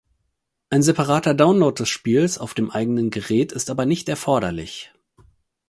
Ein separater Download des Spiels auf dem eigenen Gerät ist aber nicht erforderlich.